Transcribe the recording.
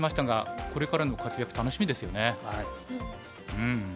うん。